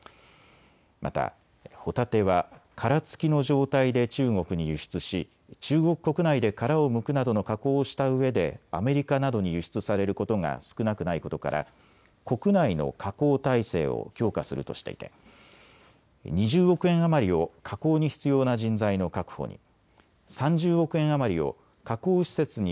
またホタテは殻付きの状態で中国に輸出し中国国内で殻をむくなどの加工をしたうえでアメリカなどに輸出されることが少なくないことから国内の加工体制を強化するとしていて２０億円余りを加工に必要な人材の確保に、３０億円余りを加工施設に